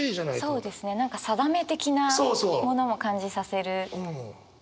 そうですね定め的なものも感じさせる。